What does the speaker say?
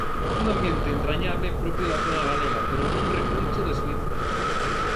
Un ambiente entrañable propio da zona galega pero nun recuncho de Suíza.